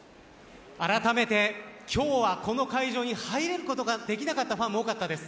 あらためて今日はこの会場に入ることができなかったファンも多かったです。